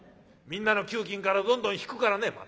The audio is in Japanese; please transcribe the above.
みんなの給金からどんどん引くからね